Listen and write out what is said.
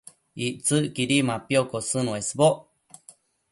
Ictsëcquidi mapiocosën uesboc